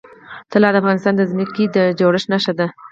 طلا د افغانستان د ځمکې د جوړښت نښه ده.